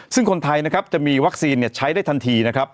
ซึ่งคนไทยจะมีวัคซีนใช้ได้ทันที